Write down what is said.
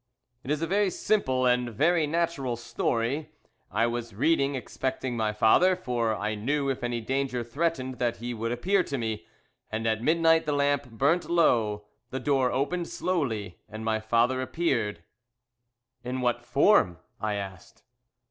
"It is a very simple and very natural story. I was reading, expecting my father for I knew if any danger threatened that he would appear to me and at midnight the lamp burnt low, the door opened slowly, and my father appeared." "In what form?" I asked.